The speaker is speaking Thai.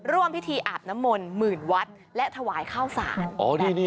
ร่วมพิธีอาบนมลหมื่นวัดและถวายข้าวศาล